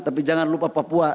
tapi jangan lupa papua